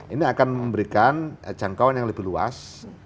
ini akan memberikan jangkauan yang lebih luas